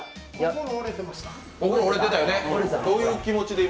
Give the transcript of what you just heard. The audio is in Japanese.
心折れてました。